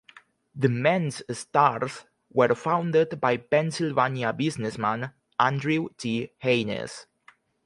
The men's Starz were founded by Pennsylvania businessman, Andrew G. Haines.